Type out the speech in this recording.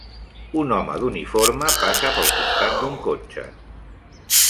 Un home d'uniforme passa pel costat d'un cotxe.